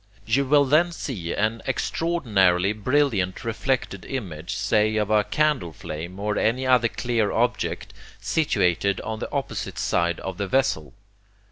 You will then see an extraordinarily brilliant reflected image say of a candle flame, or any other clear object, situated on the opposite side of the vessel.